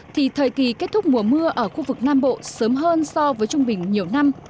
thì thời kỳ kết thúc mùa mưa ở khu vực nam bộ sớm hơn so với trung bình nhiều năm